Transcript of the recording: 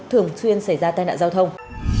thường xuyên xảy ra tai nạn giao thông